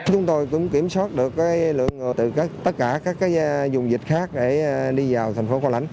chúng tôi cũng kiểm soát được lượng từ tất cả các dùng dịch khác để đi vào thành phố cao lãnh